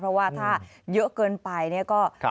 เพราะว่าถ้าเยอะเกินไปเนี่ยก็